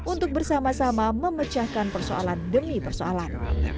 untuk bersama sama memecahkan persoalan demi persoalan